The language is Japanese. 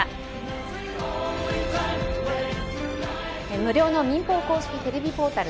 無料の民放公式テレビポータル